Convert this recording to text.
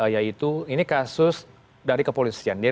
yaitu ini kasus dari kepolisian